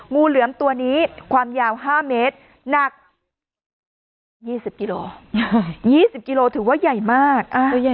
งูเหลือมตัวนี้ความยาว๕เมตรหนัก๒๐กิโล๒๐กิโลถือว่าใหญ่มาก